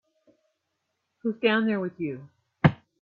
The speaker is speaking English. Who's down there with you?